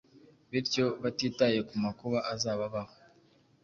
Bityo, batitaye ku makuba azababaho